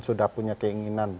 sudah punya keinginan